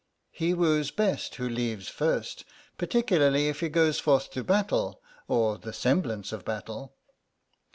He woos best who leaves first, particularly if he goes forth to battle or the semblance of battle.